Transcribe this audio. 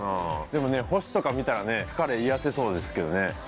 でもね星とか見たらね疲れ癒やせそうですけどね。